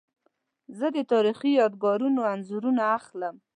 زه د تاریخي یادګارونو انځورونه اخلم.